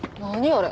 あれ。